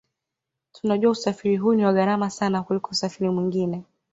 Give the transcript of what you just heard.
Tunajua usafiri huu ni wa gharama sana kuliko usafiri mwingine